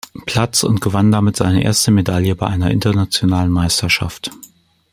Platz und gewann damit seine erste Medaille bei einer internationalen Meisterschaft.